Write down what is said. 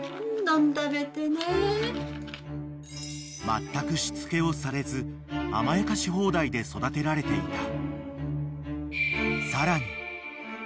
［まったくしつけをされず甘やかし放題で育てられていた］